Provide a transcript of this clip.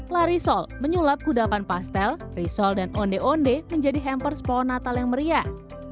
la risol menyulap kudapan pastel risol dan onde onde menjadi hampers pohon natal yang meriah